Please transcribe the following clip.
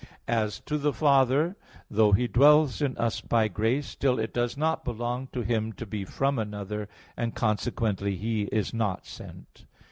As to the Father, though He dwells in us by grace, still it does not belong to Him to be from another, and consequently He is not sent.